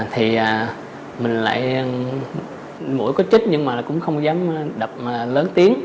thì mình lại mũi có chích nhưng mà cũng không dám đập lớn tiếng